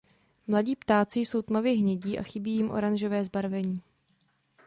Mladí ptáci jsou tmavě hnědí a chybí jim oranžové zbarvení.